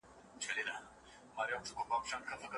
څنګه کولای سو بحران د خپلو ګټو لپاره وکاروو؟